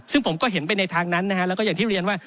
ซึ่งผมก็เห็นไปในทางนั้นนะฮะแล้วก็อย่างที่เรียนว่า